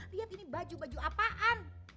lihat ini baju baju apaan